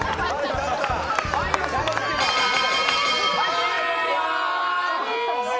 終了！